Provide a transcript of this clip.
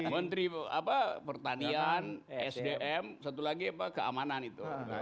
menteri pertanian sdm satu lagi apa keamanan itu